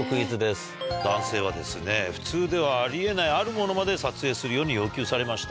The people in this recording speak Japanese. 男性は普通ではあり得ないあるものまで撮影するように要求されました。